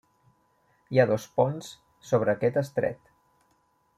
Hi ha dos ponts sobre aquest estret.